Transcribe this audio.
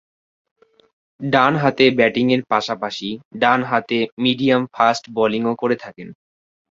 ডানহাতে ব্যাটিংয়ের পাশাপাশি ডানহাতে মিডিয়াম-ফাস্ট বোলিং করে থাকেন।